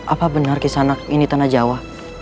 apa benar di sana ini tanah jawa